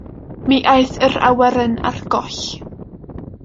Mi aeth yr awyren ar goll.